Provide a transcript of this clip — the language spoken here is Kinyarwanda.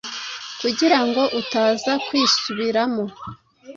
kugira ngo utaza kwisubiramo.